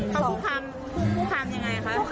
เขาผู้คามยังไงคะ